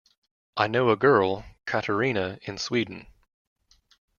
I know a girl, Katerina, in Sweden.